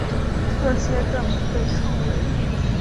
这些证明被称为。